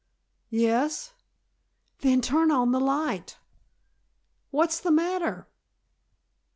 "Yes." "Then turn on the light." "What's the matter?"